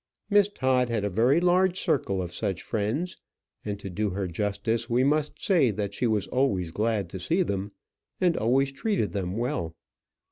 Miss Todd had a very large circle of such friends; and, to do her justice, we must say that she was always glad to see them, and always treated them well.